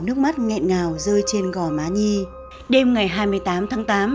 nước mắt nghẹn ngào rơi trên gò má nhi đêm ngày hai mươi tám tháng tám